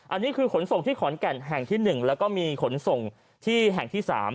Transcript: อันนี้คือขนส่งที่ขอนแก่นแห่งที่๑แล้วก็มีขนส่งที่แห่งที่๓